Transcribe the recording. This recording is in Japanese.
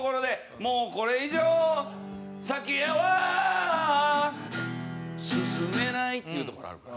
「もうこれ以上先へは進めない」っていうところがあるから。